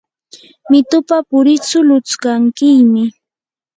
mitupa puritsu lutskankiymi.